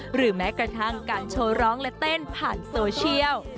หรือแม้กระทั่งการโชว์ร้องและเต้นผ่านโซเชียล